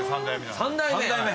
３代目！